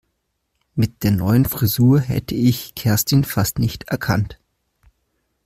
Mit der neuen Frisur hätte ich Kerstin fast nicht erkannt.